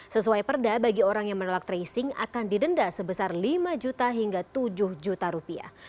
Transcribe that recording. sesuai perda bagi orang yang menolak tracing akan didenda sebesar lima juta hingga tujuh juta rupiah